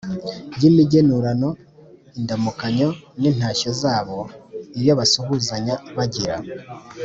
y'imigenurano, indamukanyo n'intashyo zabo. iyo basuhuzanya bagira